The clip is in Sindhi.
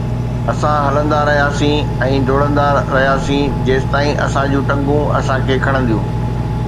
اسان هلندا رهياسين ۽ ڊوڙندا رهياسين جيستائين اسان جون ٽنگون اسان کي کڻنديون